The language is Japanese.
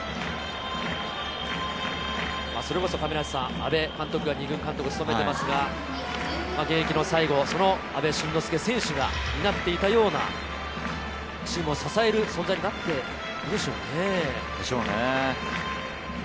阿部監督、２軍監督を務めていますが現役の最後、阿部慎之助選手が担っていたようなチームを支える存在になっているでしょうかね。でしょうね。